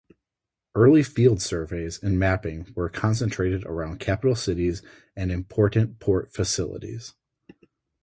Early field surveys and mapping were concentrated around capital cities and important port facilities.